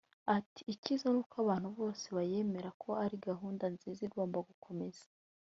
Ati “Icyiza n’uko abantu bose bayemera ko ari gahunda nziza igomba gukomeza